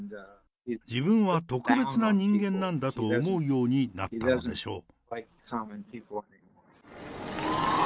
自分は特別な人間なんだと思うようになったのでしょう。